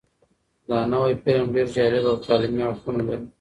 دا نوی فلم ډېر جالب او تعلیمي اړخونه لري.